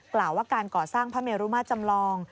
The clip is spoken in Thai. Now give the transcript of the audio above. กล่าวว่าการก่อสร้างพระเมรุมาตรจำลอง